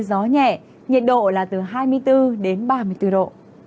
gió nhẹ nhiệt độ là từ hai mươi bốn đến ba mươi bốn độ